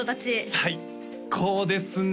最高ですね！